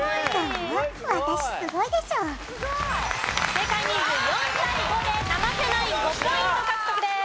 正解人数４対５で生瀬ナイン５ポイント獲得です。